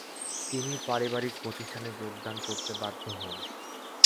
তিনি পারিবারিক প্রতিষ্ঠানে যোগদান করতে বাধ্য হন।